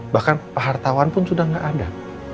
bahkan pehartawan pun sudah gak ada